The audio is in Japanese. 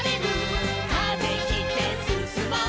「風切ってすすもう」